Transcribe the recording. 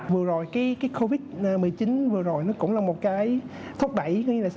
vừa rồi cái covid một mươi chín vừa rồi nó cũng là một cái thúc đẩy